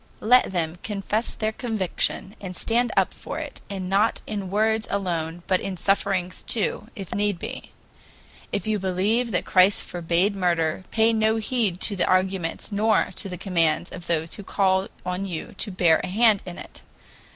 Let them confess their conviction, and stand up for it, and not in words alone, but in sufferings too, if need be. If you believe that Christ forbade murder, pay no heed to the arguments nor to the commands of those who call on you to bear a hand in it.